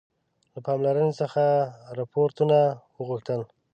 له پالمر څخه رپوټونه وغوښتل.